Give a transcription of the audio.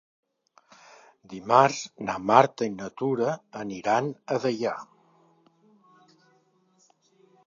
Dimarts na Marta i na Tura aniran a Deià.